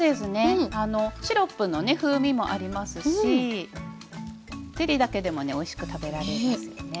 あのシロップのね風味もありますしゼリーだけでもねおいしく食べられますよね。